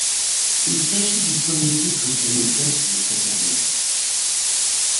Il s'agit du premier titre sur moquette de sa carrière.